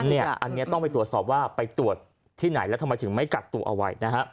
อันนี้ต้องไปตรวจสอบว่าไปตรวจที่ไหนแล้วทำไมถึงไม่กักตัวเอาไว้